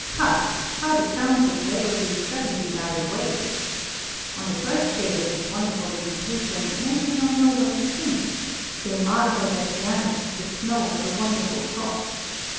Ha! how the sounds of revelry suddenly died away. On the first day of this wonderful visitation men did not know what to think; they marvelled at the ice, the snow, the wonderful frost.